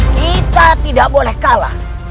kita tidak boleh kalah